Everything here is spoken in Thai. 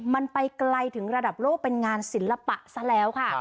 มันไปไกลถึงระดับโลกเป็นงานศิลปะซะแล้วค่ะ